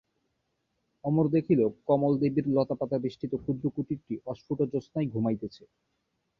অমর দেখিল কমলদেবীর লতাপাতাবেষ্টিত ক্ষুদ্র কুটিরটি অস্ফুট জ্যোৎস্নায় ঘুমাইতেছে।